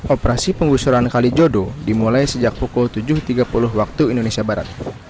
operasi pengusuran kali jodo dimulai sejak pukul tujuh tiga puluh waktu indonesia barat